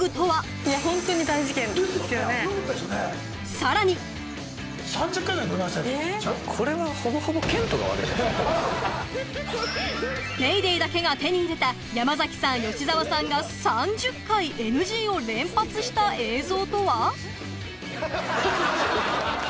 さらに『ＤａｙＤａｙ．』だけが手に入れた山さん吉沢さんが３０回ＮＧを連発した映像とは？